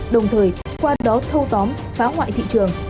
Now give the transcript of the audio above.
đồng thời qua đó thâu tóm phá hoại thị trường